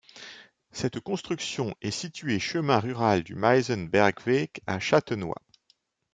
Cette construction est située chemin rural du Meisenbergweg à Châtenois.